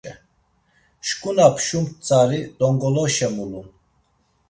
Şǩu na pşumt tzari t̆ongoloşe mulun.